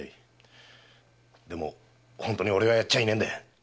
でも本当に俺はやっちゃいないんだ。